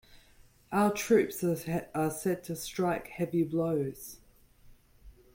Our troops are set to strike heavy blows.